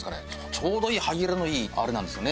ちょうどいい歯切れのいいあれなんですよね。